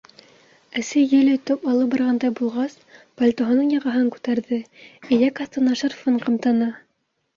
Әсе ел өтөп алып барғандай булғас, пальтоһының яғаһын күтәрҙе, эйәк аҫтына шарфын ҡымтыны.